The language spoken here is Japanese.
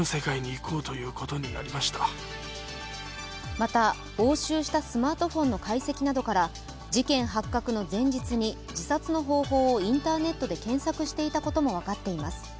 また、押収したスマートフォンの解析などから事件発覚の前日に、自殺の方法をインターネットで検索していたことも分かっています。